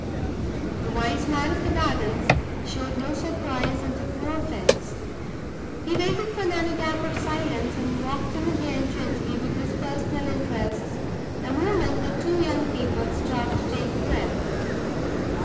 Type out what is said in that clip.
The wise man of the gardens showed no surprise, and took no offense. He waited for another gap of silence, and walked in again gently with his personal interests the moment the two young people stopped to take breath.